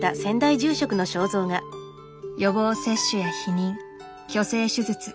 予防接種や避妊去勢手術